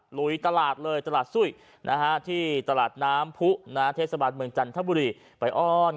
ลุยตลาดเลยตลาดซุ้ยที่ตลาดน้ำผู้เทศบาลเมืองจันทบุรีไปอ้อน